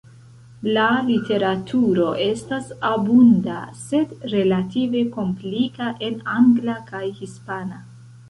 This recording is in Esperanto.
La literaturo estas abunda sed relative komplika, en angla kaj hispana.